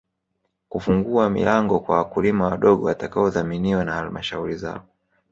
Kufungua milango kwa wakulima wadogo watakaodhaminiwa na Halmashauri zao